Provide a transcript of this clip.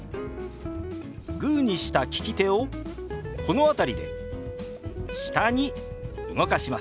グーにした利き手をこの辺りで下に動かします。